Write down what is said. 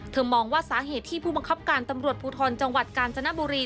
มองว่าสาเหตุที่ผู้บังคับการตำรวจภูทรจังหวัดกาญจนบุรี